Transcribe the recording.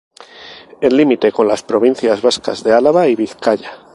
En el límite con las provincias vascas de Álava y Vizcaya.